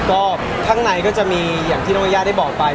ก็ข้างในก็จะมีอย่างที่น้องยายาได้บอกไป